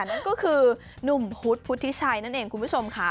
นั่นก็คือหนุ่มพุธพุทธิชัยนั่นเองคุณผู้ชมค่ะ